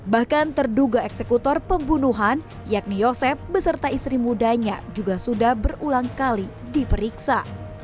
bahkan terduga eksekutor pembunuhan yakni yosep beserta istri mudanya juga sudah berulang kali diperiksa